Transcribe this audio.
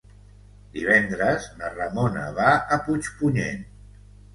Divendres na Ramona va a Puigpunyent.